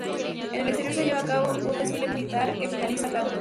En el exterior, se lleva a cabo un desfile militar que finaliza el acto.